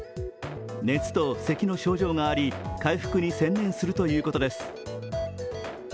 熱とせきの症状があり、回復に専念するということです。